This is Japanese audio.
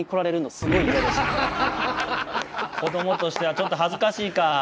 子どもとしてはちょっと恥ずかしいか。